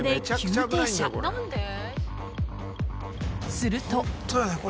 ［すると］